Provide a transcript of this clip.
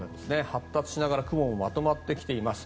発達しながら雲もまとまってきています。